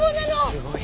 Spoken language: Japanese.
すごい。